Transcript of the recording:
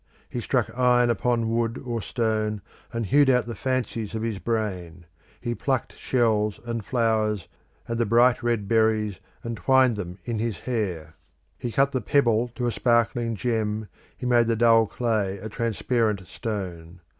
He struck iron upon wood or stone and hewed out the fancies of his brain; he plucked shells, and flowers, and the bright red berries, and twined them in his hair; he cut the pebble to a sparkling gem, he made the dull clay a transparent stone.